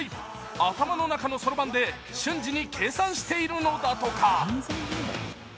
頭の中のそろばんで瞬時に計算しているのだとか。